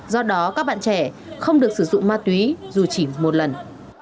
do đó các bạn trẻ không được sử dụng ma túy dù chỉ một lần